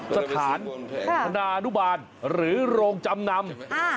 สถานธนานุบาลหรือโรงจำนำ